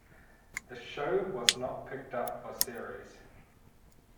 The show was not picked up for series.